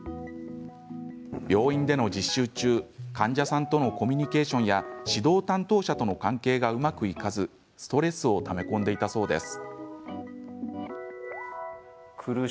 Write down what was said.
病院での実習中、患者さんとのコミュニケーションや指導担当者との関係がうまくいかず、ストレスをため込んでいたそうです。